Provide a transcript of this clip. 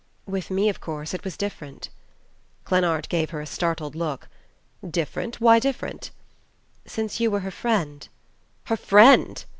With me, of course, it was different " Glennard gave her a startled look. "Different? Why different?" "Since you were her friend " "Her friend!"